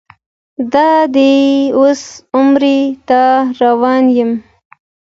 دادی اوس عمرې ته روان یم.